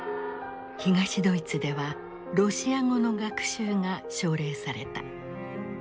東ドイツではロシア語の学習が奨励された。